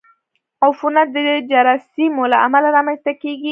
عفونت د جراثیمو له امله رامنځته کېږي.